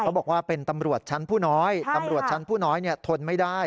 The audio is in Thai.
บอกว่าเป็นตำรวจชั้นผู้น้อยตำรวจชั้นผู้น้อยทนไม่ได้